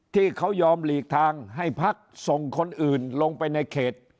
ที่เขายอมหลีกทางให้พักส่งคนอื่นลงไปในเขต